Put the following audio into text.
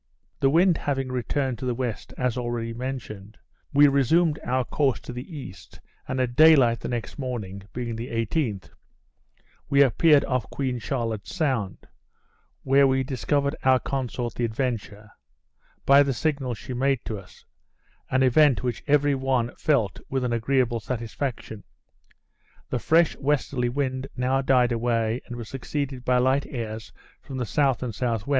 The wind having returned to the west, as already mentioned, we resumed our course to the east; and at day light the next morning (being the 18th,) we appeared off Queen Charlotte's Sound, where we discovered our consort the Adventure, by the signals she made to us; an event which every one felt with an agreeable satisfaction. The fresh westerly wind now died away, and was succeeded by light airs from the S. and S.W.